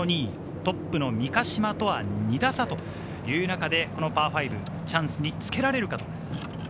トップの三ヶ島とは２打差という中で、パー５、チャンスにつけられるか。